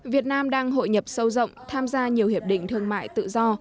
việt nam đang hội nhập sâu rộng tham gia nhiều hiệp định thương mại tự do